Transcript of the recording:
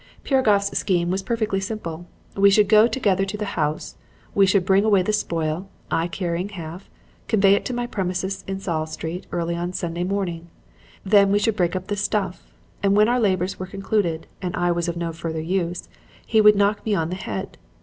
"Piragoff's scheme was perfectly simple. We should go together to the house, we should bring away the spoil I carrying half convey it to my premises in Saul Street early on Sunday morning. Then we should break up the 'stuff,' and when our labors were concluded, and I was of no further use, he would knock me on the head.